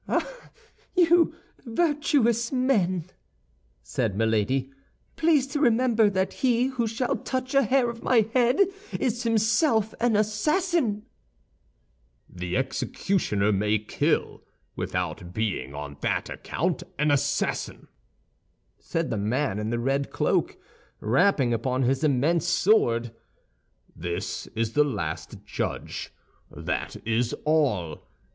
"Ah, you virtuous men!" said Milady; "please to remember that he who shall touch a hair of my head is himself an assassin." "The executioner may kill, without being on that account an assassin," said the man in the red cloak, rapping upon his immense sword. "This is the last judge; that is all.